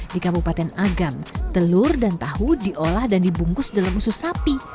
di kabupaten agam telur dan tahu diolah dan dibungkus dalam susu sapi